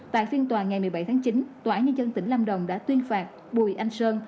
tại phiên tòa ngày một mươi bảy tháng chín tòa án nhân dân tỉnh lâm đồng đã tuyên phạt bùi anh sơn